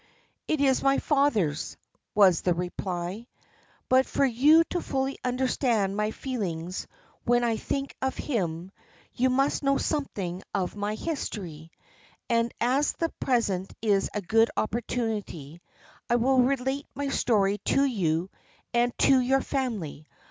"It is my father's," was the reply; "but for you to fully understand my feelings when I think of him, you must know something of my history; and as the present is a good opportunity, I will relate my story to you and to your family.